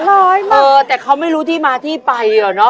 เออแต่เขาไม่รู้ที่มาที่ไปเหรอเนาะ